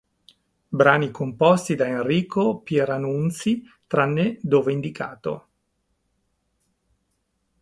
Brani composti da Enrico Pieranunzi, tranne dove indicato